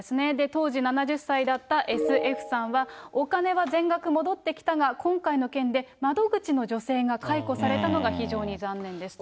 当時７０歳だったＳ・Ｆさんはお金は全額戻ってきたが、今回の件で窓口の女性が解雇されたのが非常に残念ですと。